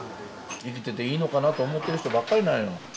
生きてていいのかなと思ってる人ばっかりなんよ。